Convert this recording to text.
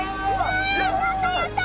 わやったやった！